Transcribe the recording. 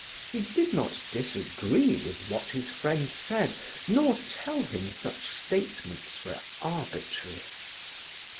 He did not disagree with what his friend said, nor tell him such statements were arbitrary.